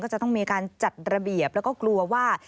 จะต้องมีการจัดระเบียบแล้วก็กลัวว่า